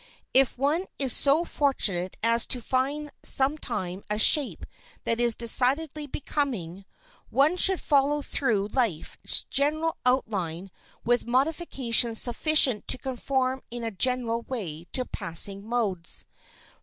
If one is so fortunate as to find sometime a shape that is decidedly becoming, one should follow through life its general outline with modifications sufficient to conform in a general way to passing modes.